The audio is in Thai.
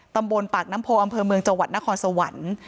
ตำบลปากน้ำโพอำเภอเมืองจังหวัดนครสวรรค์